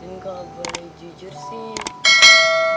dan kalau gue jujur sih